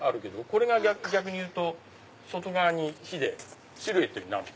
これが逆にいうと外側に火でシルエットになる。